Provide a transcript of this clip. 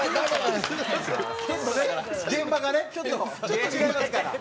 現場がねちょっと違いますから。